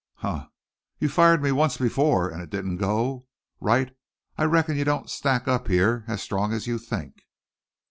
"Huh! You fired me once before an' it didn't go, Wright. I reckon you don't stack up here as strong as you think."